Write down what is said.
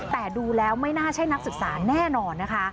แต่ดูแล้วไม่น่าใช่นักศึกษาแน่นอนนะคะ